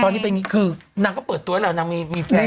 ตอนนี้เป็นอย่างนี้คือนางก็เปิดตัวให้เรานางมีแฟน